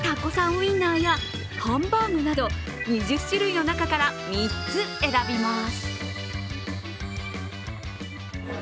ウインナーやハンバーグなど２０種類の中から３つ選びます。